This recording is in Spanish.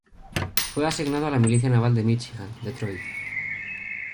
Fue asignado a la Milicia Naval de Míchigan, Detroit.